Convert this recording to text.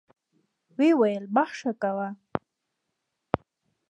ويې ويل بخښه کوه.